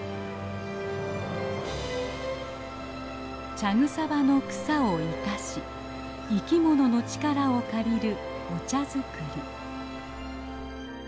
茶草場の草を生かし生きものの力を借りるお茶作り。